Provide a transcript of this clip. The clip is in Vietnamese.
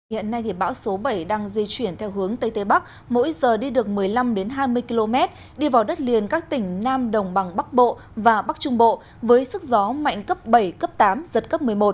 hiện nay bão số bảy đang di chuyển theo hướng tây tây bắc mỗi giờ đi được một mươi năm hai mươi km đi vào đất liền các tỉnh nam đồng bằng bắc bộ và bắc trung bộ với sức gió mạnh cấp bảy cấp tám giật cấp một mươi một